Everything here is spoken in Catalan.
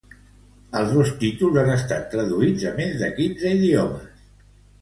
Els dos títols han estat traduïts a més de quinze idiomes.